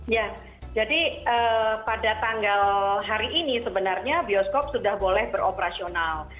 ya jadi pada tanggal hari ini sebenarnya bioskop sudah boleh beroperasional